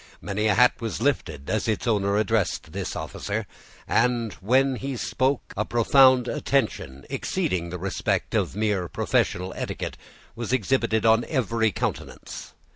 Many a hat was lifted as its owner addressed this officer; and when he spoke, a profound attention, exceeding the respect of mere professional etiquette, was exhibited on every countenance.